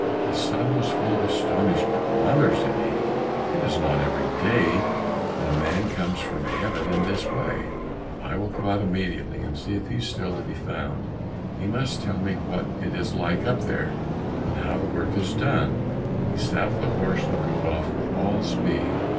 The son was full of astonishment. "Mother," said he, "it is not every day that a man comes from Heaven in this way, I will go out immediately, and see if he is still to be found; he must tell me what it is like up there, and how the work is done." He saddled the horse and rode off with all speed.